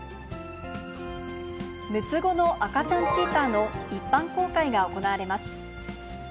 ６つ子の赤ちゃんチーターの一般公開が行われます。